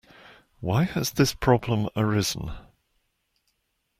Why has this problem arisen?